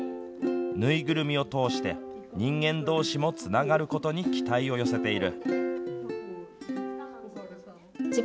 縫いぐるみを通して人間どうしもつながることに期待を寄せている。